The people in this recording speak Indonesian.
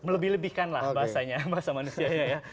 melebih lebihkan lah bahasanya bahasa manusianya ya